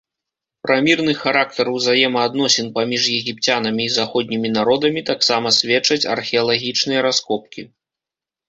Пра мірны характар узаемаадносін паміж егіпцянамі і заходнімі народамі таксама сведчаць археалагічныя раскопкі.